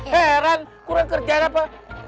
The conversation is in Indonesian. heran kurang kerjaan apa